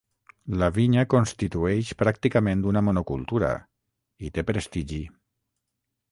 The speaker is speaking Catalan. La vinya constitueix pràcticament una monocultura i té prestigi.